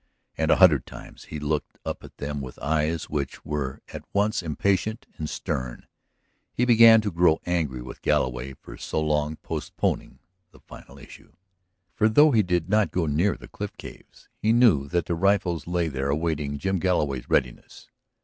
And a hundred times he looked up at them with eyes which were at once impatient and stern; he began to grow angry with Galloway for so long postponing the final issue. For, though he did not go near the cliff caves, he knew that the rifles still lay there awaiting Jim Galloway's readiness.